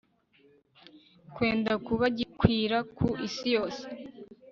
kwenda kuba gikwira ku isi yose